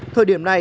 thời điểm này